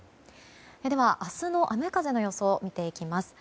では、明日の雨風の予想を見ていきます。